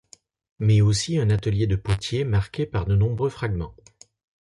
Mais aussi un atelier de potier marqué par de nombreux fragments.